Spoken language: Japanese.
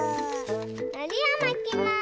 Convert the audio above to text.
のりをまきます。